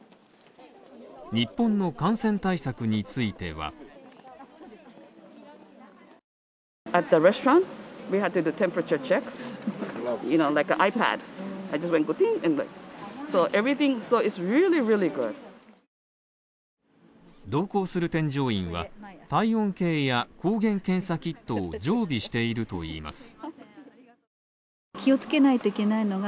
日本の感染対策については同行する添乗員は、体温計や抗原検査キットを常備しているといいます